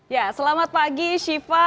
ya selamat pagi syifa